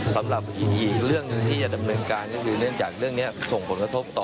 สำหรับอีกเรื่องหนึ่งที่จะดำเนินการก็คือเนื่องจากเรื่องนี้ส่งผลกระทบต่อ